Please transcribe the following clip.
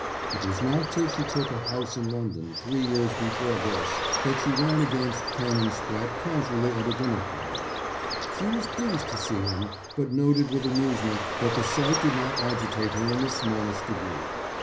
It was not till she took a house in London, three years before this, that she ran against Canon Spratte casually at a dinner party. She was pleased to see him, but noted with amusement that the sight did not agitate her in the smallest degree.